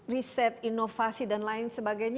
riset inovasi dan lain sebagainya